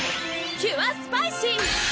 キュアスパイシー！